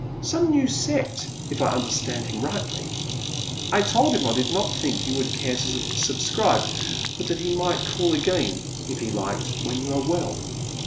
" Some new sect, if I understood him rightly. I told him I did not think you would care to subscribe, but that he might call again, if he liked, when you are well."